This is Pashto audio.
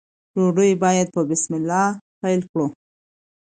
ډوډۍ باید په بسم الله پیل کړو.